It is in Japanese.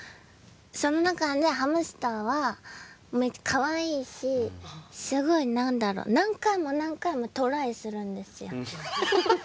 その中でハムスターはかわいいしすごい何だろう何回も何回もトライするんですよ。